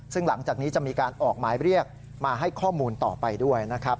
ซึ่งหลังจากนี้จะมีการออกหมายเรียกมาให้ข้อมูลต่อไปด้วยนะครับ